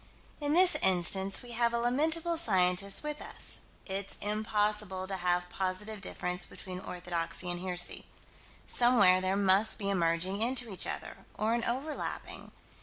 In this instance we have a lamentable scientist with us. It's impossible to have positive difference between orthodoxy and heresy: somewhere there must be a merging into each other, or an overlapping.